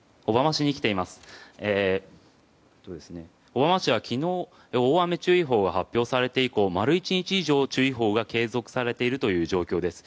小浜市は昨日大雨注意報が発表されて以降丸１日以上、注意報が継続されているという状況です。